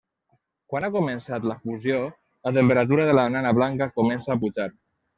Quan ha començat la fusió, la temperatura de la nana blanca comença a pujar.